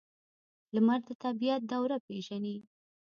لمر د طبیعت دوره پیژني.